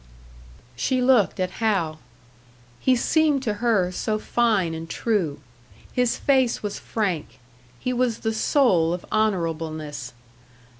She looked at Hal. He seemed to her so fine and true; his face was frank, he was the soul of honourableness.